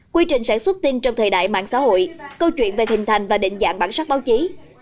quy trình sản xuất tin trong thời đại mạng xã hội câu chuyện về hình thành và định dạng bản sắc báo chí